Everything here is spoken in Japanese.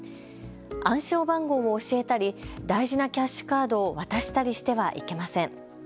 暗証番号を教えたり大事なキャッシュカードを渡したりしてはいけません。